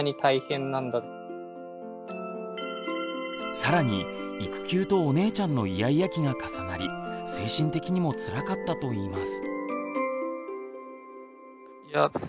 更に育休とお姉ちゃんのイヤイヤ期が重なり精神的にもつらかったといいます。